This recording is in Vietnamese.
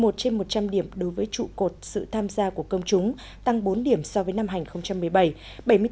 một trên một trăm linh điểm đối với trụ cột sự tham gia của công chúng tăng bốn điểm so với năm hành một mươi bảy